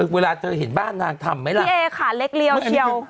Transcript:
เวลาเธอเห็นบ้านนางทำไหมล่ะพี่เอขาเล็กเรียวเชียว